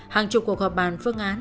hàng chục cuộc họp bàn phương án